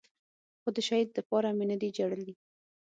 خو د شهيد دپاره مې نه دي جړلي.